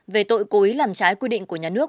về tội cố ý làm trái quy định của nhà nước